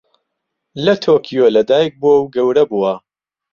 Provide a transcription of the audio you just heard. لە تۆکیۆ لەدایکبووە و گەورە بووە.